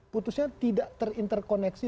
putusnya tidak terinterkoneksi